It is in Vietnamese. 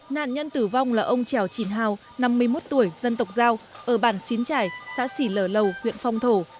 nạn nhân tử vong là ông trèo chỉn hào năm mươi một tuổi dân tộc giao ở bản xín trải xã xỉ lở lầu huyện phong thổ